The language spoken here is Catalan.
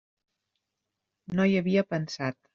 No hi havia pensat.